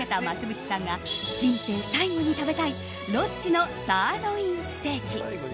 ぶちさんが人生最後に食べたいロッヂのサーロインステーキ。